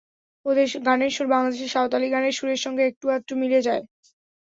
ওদের গানের সুর বাংলাদেশের সাঁওতালি গানের সুরের সঙ্গে একটু-আধটু মিলেও যায়।